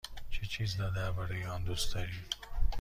چه چیز را درباره آن دوست داری؟